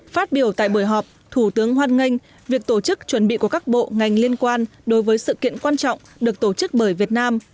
phát biểu tại buổi họp thủ tướng hoan nghênh việc tổ chức chuẩn bị của các bộ ngành liên quan đối với sự kiện quan trọng được tổ chức bởi việt nam